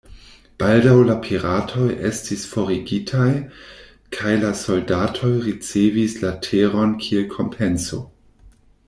Baldaŭ la piratoj estis forigitaj kaj la soldatoj ricevis la teron kiel kompenso.